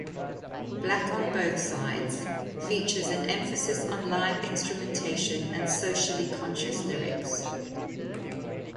"Black on Both Sides" features an emphasis on live instrumentation and socially conscious lyrics.